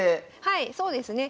はいそうですね